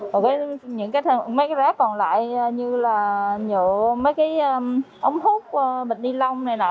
còn mấy cái rác còn lại như là nhựa mấy cái ống hút bịch ni lông này nọ